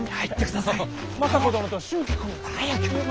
行ってください！